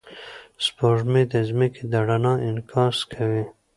سپوږمۍ د ځمکې د رڼا انعکاس کوي.